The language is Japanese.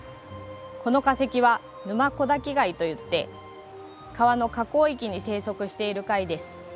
この化石はヌマコダキガイといって川の河口域に生息している貝です。